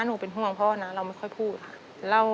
หนูเป็นห่วงพ่อนะเราไม่ค่อยพูดค่ะ